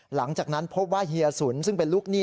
หลังจากนั้นพบว่าเฮียสุนซึ่งเป็นลูกหนี้